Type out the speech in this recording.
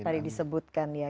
tadi disebutkan ya